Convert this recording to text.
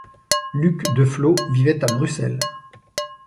Luc Deflo vivait à Bruxelles.